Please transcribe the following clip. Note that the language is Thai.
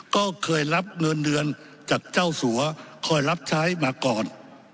ก็เคยรับเงินเดือนจากเจ้าสัวคอยรับใช้มาก่อน